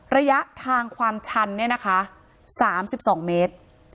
ระยะทางความชันเนี่ยนะคะ๓๒เมตร